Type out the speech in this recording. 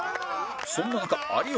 そんな中有吉